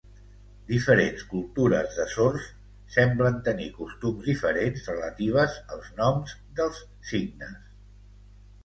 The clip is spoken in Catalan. Diferents cultures de sords semblen tenir costums diferents relatives als noms dels signes.